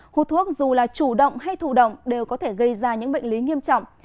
hút thuốc dù là chủ động hay thủ động đều có thể gây ra những bệnh lý nghiêm trọng